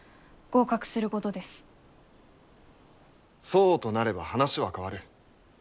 そうとなれば話は変わる。